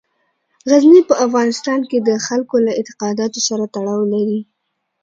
غزني په افغانستان کې د خلکو له اعتقاداتو سره تړاو لري.